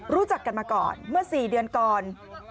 รู้จักกันมาก่อนเมื่อ๔เดือนก่อน